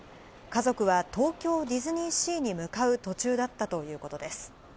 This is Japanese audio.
家族は東京ディズニーシーに向かう途中だったということです。